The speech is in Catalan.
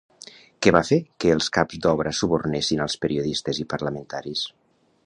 Què va fer que els caps d'obra subornessin als periodistes i parlamentaris?